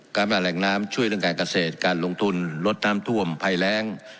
ปัญหาแหล่งน้ำช่วยเรื่องการเกษตรการลงทุนลดน้ำท่วมภัยแรง